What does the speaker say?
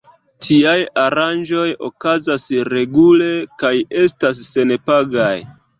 Tiaj aranĝoj okazas regule kaj estas senpagaj.